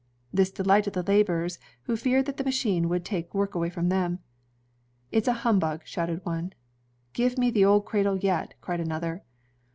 This delighted the laborers, who feared that the machine would take work away from them. "It's a humbug," shouted one. "Give me the old cradle yet," cried another.